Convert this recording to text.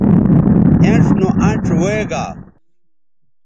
اِنڇ نو اَنڇ وے گا